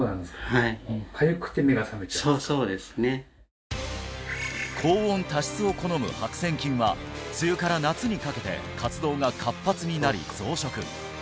はい高温多湿を好む白せん菌は梅雨から夏にかけて活動が活発になり増殖